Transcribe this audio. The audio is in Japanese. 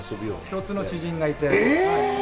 共通の知人がいて。